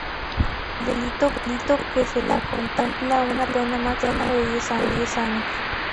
El delito que se le imputa contempla una pena máxima de diez años.